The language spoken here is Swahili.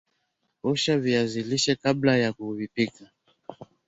osha viazi lishe kabla ya kuvipika